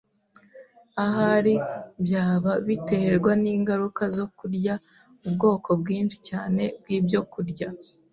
ahari byaba biterwa n’ingaruka zo kurya ubwoko bwinshi cyane bw’ibyokurya.